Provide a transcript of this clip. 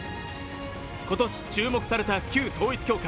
今年注目された旧統一教会。